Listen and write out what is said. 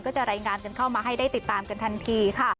จะรายงานกันเข้ามาให้ได้ติดตามกันทันทีค่ะ